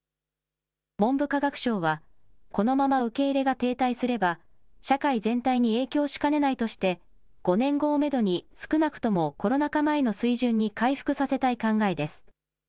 文部科学省は、このまま受け入れが停滞すれば、社会全体に影響しかねないとして、５年後をメドに、少なくともコロナ禍前の水準に回復させたい考えです。